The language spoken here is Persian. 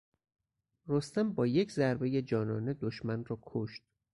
رستم بایک ضربهی جانانه دشمن را کشت.